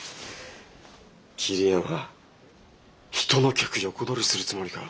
桐山人の客横取りするつもりか？